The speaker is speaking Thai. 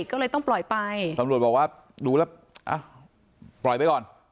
ก็เลยต้องปล่อยไปตำรวจบอกว่าดูแล้วอ่ะปล่อยไปก่อน